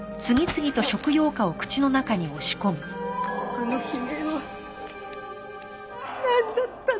あの悲鳴はなんだったのか。